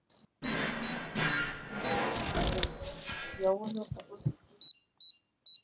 د پزي پرېولل په غسل کي فرض دي.